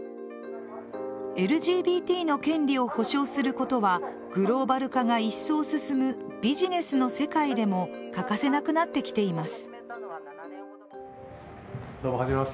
ＬＧＢＴの権利を保障することはグローバル化がいっそう進むビジネスの世界でも欠かせなくなってきています。